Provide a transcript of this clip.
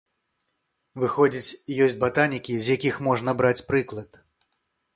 Выходзіць, ёсць батанікі, з якіх можна браць прыклад.